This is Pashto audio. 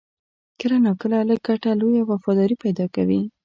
کله ناکله لږ ګټه، لویه وفاداري پیدا کوي.